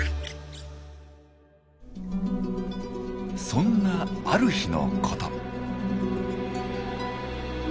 そんなある日のこと。